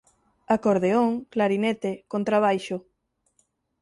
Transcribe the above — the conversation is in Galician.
Acordeón, clarinete, contrabaixo.